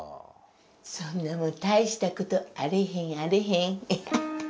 そんなもん大した事あれへんあれへん。